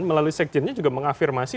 melalui sekjennya juga mengafirmasi